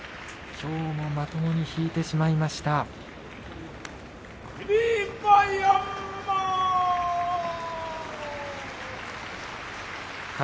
きょうもまともに引いてしまいました、貴景勝。